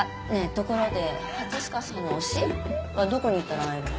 ところで蜂須賀さんの推し？はどこに行ったら会えるの？